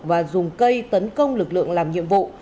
và dùng cây tấn công lực lượng làm nhiệm vụ